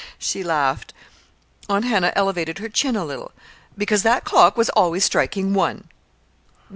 she laughed. Aunt Hannah elevated her chin a little. "Because that clock was always striking one."